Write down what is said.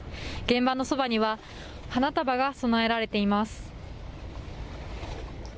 現場のそばには花束が供えられています。